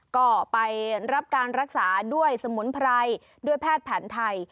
ก็ไปรับการรักษาด้วยสมุนไพรด้วยแพทย์แผนไทย